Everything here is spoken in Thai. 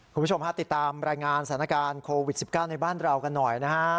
คุณผู้ชมฮะติดตามรายงานสถานการณ์โควิด๑๙ในบ้านเรากันหน่อยนะฮะ